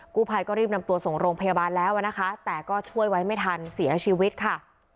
กู้ภัยก็รีบนำตัวส่งโรงพยาบาลแล้วนะคะแต่ก็ช่วยไว้ไม่ทันเสียชีวิตค่ะ